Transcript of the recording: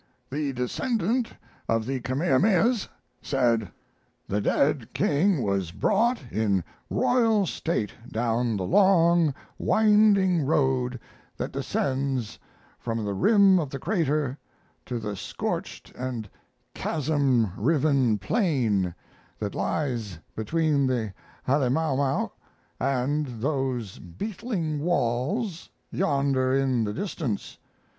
The descendant of the Kamehamehas said: The dead king was brought in royal state down the long, winding road that descends from the rim of the crater to the scorched and chasm riven plain that lies between the 'Hale mau mau' and those beetling walls yonder in the distance.